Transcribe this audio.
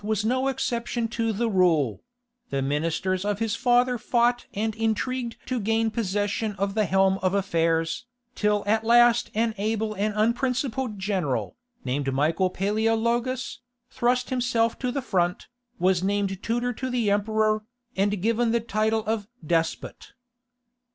was no exception to the rule; the ministers of his father fought and intrigued to gain possession of the helm of affairs, till at last an able and unprincipled general, named Michael Paleologus, thrusting himself to the front, was named tutor to the Emperor, and given the title of "Despot."